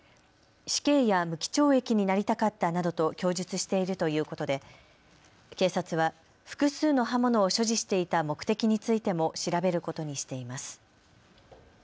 死刑や無期懲役になりたかったなどと供述しているということで警察は複数の刃物を所持していた目的についても調べることにしています。